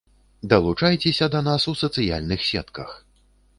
Далучайцеся да нас у сацыяльных сетках!